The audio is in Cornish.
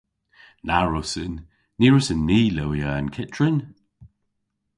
Na wrussyn. Ny wrussyn ni lewya an kyttrin.